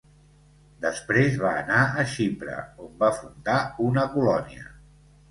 Després va anar a Xipre on va fundar una colònia.